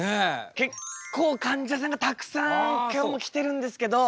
結構かんじゃさんがたくさん今日も来てるんですけど。